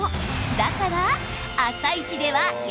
だから。